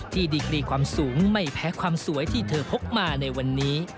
ดีกรีความสูงไม่แพ้ความสวยที่เธอพกมาในวันนี้